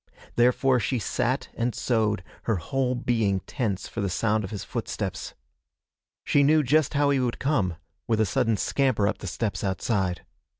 Therefore she sat and sewed, her whole being tense for the sound of his footsteps. She knew just how he would come with a sudden scamper up the steps outside.